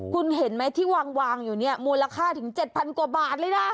คุณเห็นไหมที่วางอยู่เนี่ยมูลค่าถึง๗๐๐กว่าบาทเลยนะ